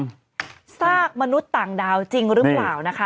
ใครไหมทราบมนุษย์ต่างดาวจริงหรือเปล่านะคะ